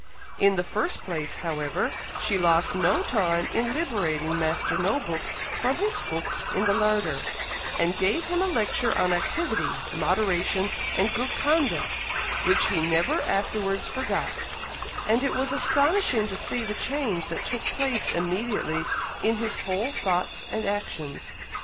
In the first place, however, she lost no time in liberating Master No book from his hook in the larder, and gave him a lecture on activity, moderation, and good conduct, which he never afterwards forgot; and it was astonishing to see the change that took place immediately in his whole thoughts and actions.